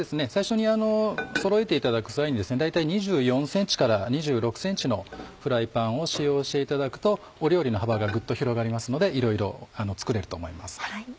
最初にそろえていただく際に大体２４ｃｍから２６ｃｍのフライパンを使用していただくと料理の幅がぐっと広がりますのでいろいろ作れると思います。